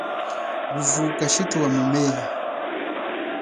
Nguvu kashithu wa mumeya.